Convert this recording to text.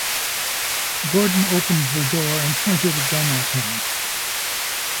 Gordon opened the door and pointed a gun at him.